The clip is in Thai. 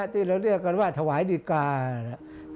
ที่เราเรียกกันว่าถวายดีการ้องทุกข์